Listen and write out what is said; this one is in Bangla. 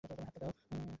তোমার হাতটা দাও।